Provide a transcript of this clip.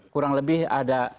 kurang lebih ada